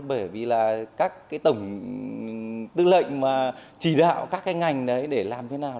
bởi vì là các cái tổng tư lệnh mà chỉ đạo các cái ngành đấy để làm thế nào